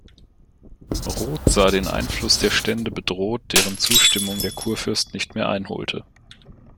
Roth sah den Einfluss der Stände bedroht, deren Zustimmung der Kurfürst nicht mehr einholte.